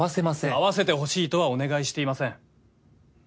会わせてほしいとはお願いしていません。